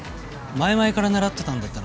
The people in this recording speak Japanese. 前々から狙ってたんだったら